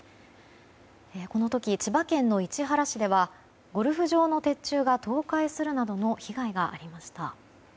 この時、千葉県の市原市ではゴルフ場の鉄柱が倒壊するなどの被害が出ました。